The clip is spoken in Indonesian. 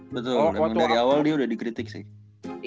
betul emang dari awal dia udah dikritik sih